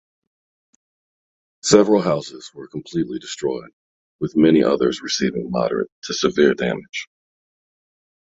Several houses were completely destroyed, with many others receiving moderate to severe damage.